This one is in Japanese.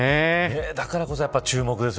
だからこそ注目ですよ